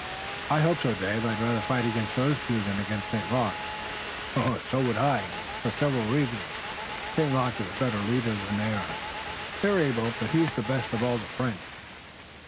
"I hope so, Dave, I'd rather fight against those two than against St. Luc." "So would I, and for several reasons. St. Luc is a better leader than they are. They're able, but he's the best of all the French."